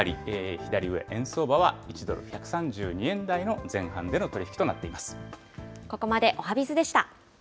左上、円相場は１ドル１３２円台の前半での取り引きとなっています。